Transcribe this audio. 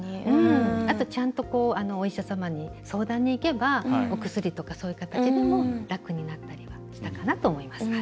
あと、ちゃんとお医者様に相談に行けばお薬とか、そういう形でも楽になったりはしたかなと思います。